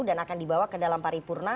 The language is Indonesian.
dan akan dibawa ke dalam paripurna